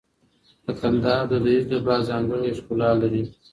د کندهار دودیز لباس ځانګړی ښکلا لري.